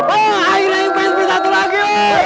akhirnya ipess bersatu lagi